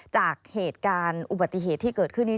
จากเหตุการณ์อุบัติเหตุที่เกิดขึ้นนี้